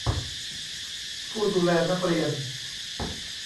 ผู้ดูแลนักเรียน